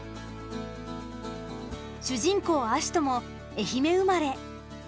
主人公・葦人も愛媛生まれ。